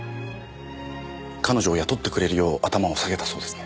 彼女を雇ってくれるよう頭を下げたそうですね。